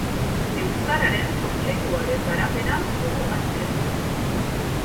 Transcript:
Euskararen Kontseiluaren garapena dugu azkenik.